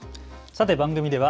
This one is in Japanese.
さて番組では＃